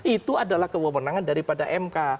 itu adalah kewenangan daripada mk